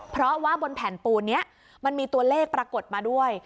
เพราะว่าบนแผ่นปูนนี้มันมีตัวเลขปรากฏมาด้วย